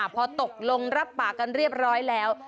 พอตกลงรับปากกันเรียบร้อยแล้ว